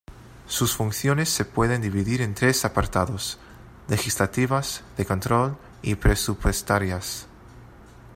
Sus funciones se pueden dividir en tres apartados: legislativas, de control y presupuestarias.